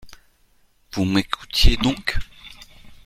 Vous m’écoutiez donc ?